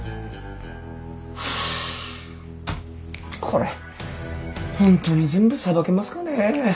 これ本当に全部さばけますかね。